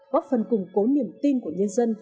góp phần củng cố niềm tin của nhân dân